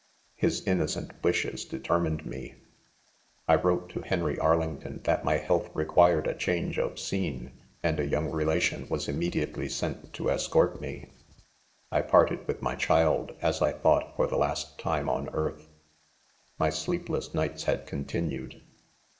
'His innocent wishes determined me, 1 wrote to Henry Arlington that my health re* quired a change of scene, and a young rela tion was immediately sent to escort me. *i parted with my child, as I thought for the last time on earth. My sleepless night© had continued.